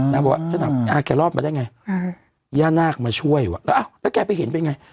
นางบอกว่าอ่าแกรอบมาได้ไงย่านาคมาช่วยว่ะแล้วอ่ะแล้วแกไปเห็นเป็นไง